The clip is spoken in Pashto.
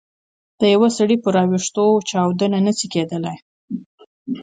د یوه سړي په ور اوښتو چاودنه نه شي کېدای.